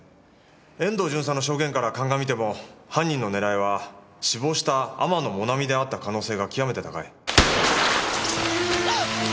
遠藤巡査の証言から鑑みても犯人の狙いは死亡した天野もなみであった可能性が極めて高い。